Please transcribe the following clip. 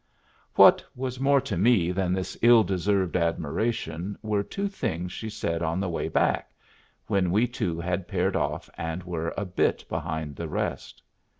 What was more to me than this ill deserved admiration were two things she said on the way back, when we two had paired off and were a bit behind the rest.